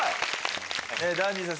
ダンディさん